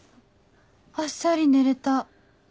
あっさり寝れた